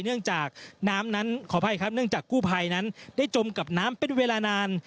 เนื่องจากกู้ภัยนั้นได้จมกับน้ำเป็นเวลานาน